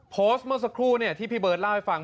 โพสต์เมื่อสักครู่ที่พี่เบิร์ตเล่าให้ฟัง